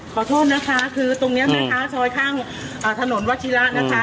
ขอโทษนะคะคือตรงนี้แม่ค้าซอยข้างถนนวัชิระนะคะ